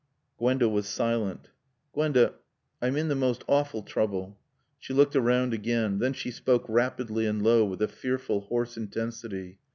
Gwenda was silent. "Gwenda I'm in the most awful trouble " She looked around again. Then she spoke rapidly and low with a fearful hoarse intensity.